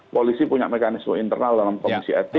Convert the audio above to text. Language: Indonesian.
polisi punya mekanisme internal dalam komisi etik